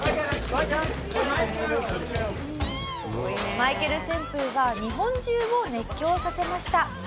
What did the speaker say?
マイケル旋風は日本中を熱狂させました。